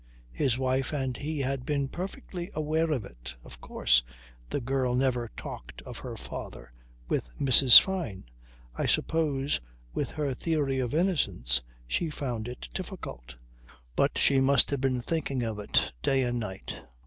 His wife and he had been perfectly aware of it. Of course the girl never talked of her father with Mrs. Fyne. I suppose with her theory of innocence she found it difficult. But she must have been thinking of it day and night.